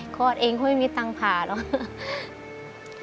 คลอดเองก็ไม่มีตังค์ผ่าหรอก